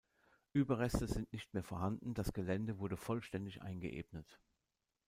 Überreste sind nicht mehr vorhanden, das Gelände wurde vollständig eingeebnet.